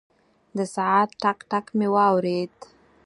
د ساعت ټک، ټک مې واورېد.